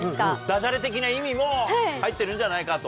ダジャレ的な意味も入ってるんじゃないかと。